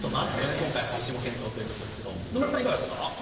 今回廃止も検討ということですが野村さん、いかがですか？